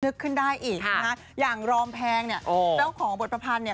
ขึ้นได้อีกนะฮะอย่างรอมแพงเนี่ยเจ้าของบทประพันธ์เนี่ย